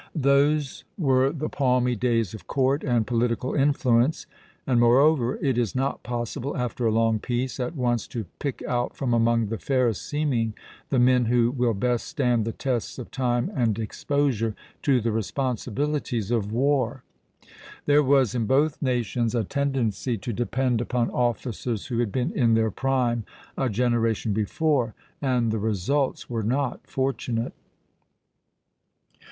Those were the palmy days of court and political influence; and, moreover, it is not possible, after a long peace, at once to pick out from among the fairest seeming the men who will best stand the tests of time and exposure to the responsibilities of war. There was in both nations a tendency to depend upon officers who had been in their prime a generation before, and the results were not fortunate.